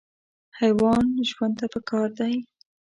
حیوان ژوند ته پکار دی.